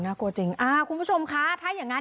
น่ากลัวจริงคุณผู้ชมคะถ้าอย่างนั้น